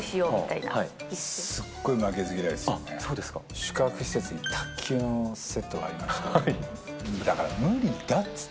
宿泊施設に卓球のセットがありまして。